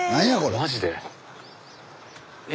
マジで？え？